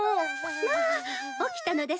まあ起きたのですね。